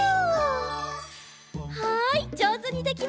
はいじょうずにできました！